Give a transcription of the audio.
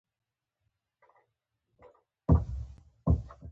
غریب ته عزت د سرو زرو نه ډېر ارزښت لري